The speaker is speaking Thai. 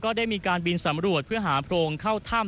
ได้มีการบินสำรวจเพื่อหาโพรงเข้าถ้ำ